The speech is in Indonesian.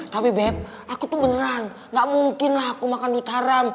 tapi beb aku tuh beneran gak mungkin lah aku makan duit haram